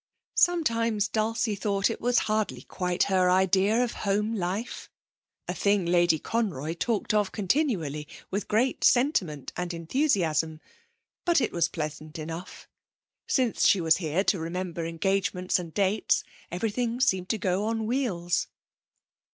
Sometimes Dulcie thought it was hardly quite her idea of home life, a thing Lady Conroy talked of continually with great sentiment and enthusiasm, but it was pleasant enough. Since she was here to remember engagements and dates everything seemed to go on wheels.